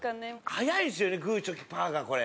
早いんですよねグーチョキパーがこれ。